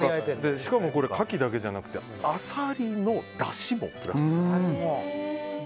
しかもカキだけじゃなくてアサリのだしもプラスされて。